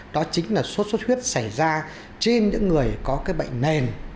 đó chính là sốt xuất huyết xảy ra trên những người có cái bệnh nền